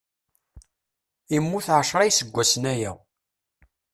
Immut ɛecra iseggasen aya.